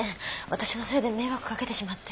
私のせいで迷惑かけてしまって。